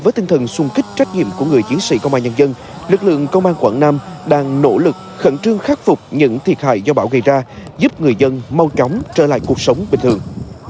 với tinh thần sung kích trách nhiệm của người chiến sĩ công an nhân dân lực lượng công an quảng nam đang nỗ lực khẩn trương khắc phục những thiệt hại do bão gây ra giúp người dân mau chóng trở lại cuộc sống bình thường